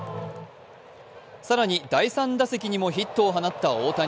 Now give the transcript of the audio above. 更に第３打席にもヒットを放った大谷。